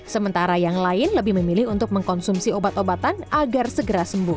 sementara yang lain lebih memilih untuk mengkonsumsi obat obatan agar segera sembuh